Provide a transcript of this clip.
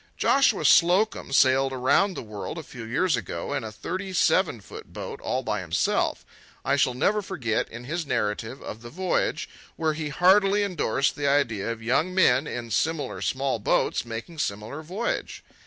Joshua Slocum sailed around the world a few years ago in a thirty seven foot boat all by himself. I shall never forget, in his narrative of the voyage, where he heartily indorsed the idea of young men, in similar small boats, making similar voyage.